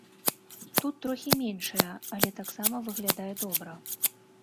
Тут трохі меншая, але таксама выглядае добра.